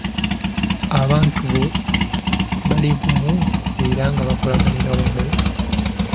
Abantu abo bali bumu era nga bakolaganira wamu.